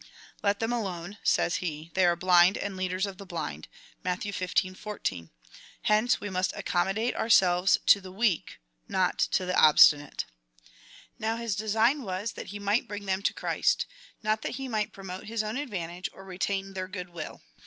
Let them alone, (says he,) they are blind, and leaders of the blind. (Matt. xv. 14.) Hence we must accommodate ourselves to the weak, not to the obstinate.^ Now his design was, that he might bring them to Christ — not that he might promote his own advantage, or retain their good will.